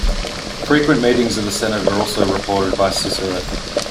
Frequent meetings of the Senate are also reported by Cicero.